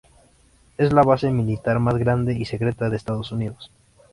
Es la base militar más grande y secreta de Estados Unidos.